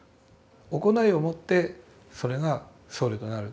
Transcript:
行いを持ってそれが僧侶となる。